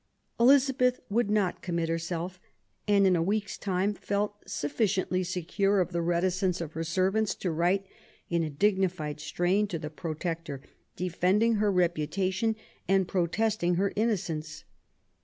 Elizabeth would not commit herself, and in a week's time felt suffi ciently secure of the reticence of her servants to write in a dignified strain to the Protector, defending her reputation and protesting her innocence.